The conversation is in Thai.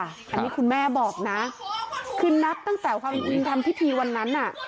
อันนี้คุณแม่บอกนะคือนับตั้งแต่ความจริงทำพิธีวันนั้นน่ะ